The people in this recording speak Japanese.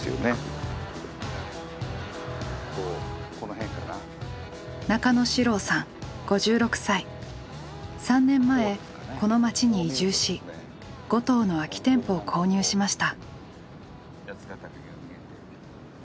何かこう３年前この街に移住し５棟の空き店舗を購入しました。